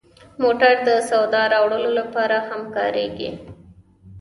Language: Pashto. موټر د سودا راوړلو لپاره هم کارېږي.